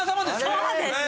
そうです。